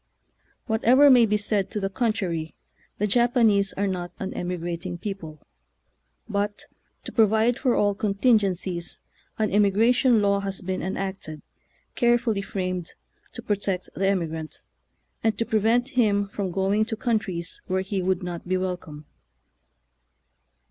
Whatever may be said to the contrary, the Japanese are not an emigrating people; but, to pro vide for all contingencies, an emigration law has been enacted, carefully framed, to protect the emigrant, and to prevent him from going to countries where he would not be welcome.